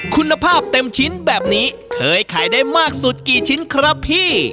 คุณภาพเต็มชิ้นแบบนี้เคยขายได้มากสุดกี่ชิ้นครับพี่